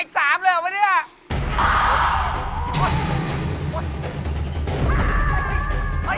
อย่าเข้ามานะเว้ย